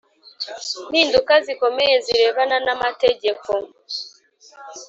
Mpinduka zikomeye zirebana n amategeko